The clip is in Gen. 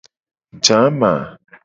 Jama.